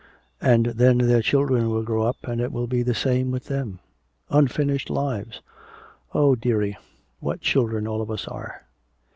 And then their children will grow up and it will be the same with them. Unfinished lives. Oh, dearie, what children all of us are."